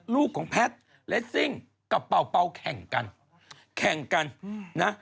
ลูกของแพทย์เลสซิ่งกับเป่าแข่งกันแข่งกันนะ